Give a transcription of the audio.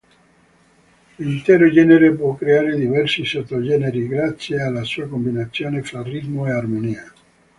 L'intero genere può creare diversi sottogeneri grazie alla sua combinazione fra ritmo e armonia.